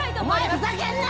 ふざけんな！